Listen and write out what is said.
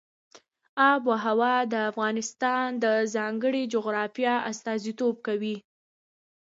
آب وهوا د افغانستان د ځانګړي جغرافیه استازیتوب کوي.